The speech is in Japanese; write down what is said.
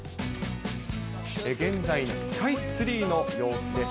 現在のスカイツリーの様子です。